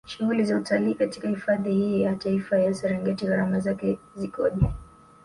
Shughuli za utalii katika hifadhi hii ya Taifa ya Serengeti Gharama zake zikoje